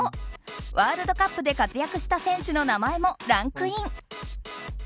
ワールドカップで活躍した選手の名前もランクイン。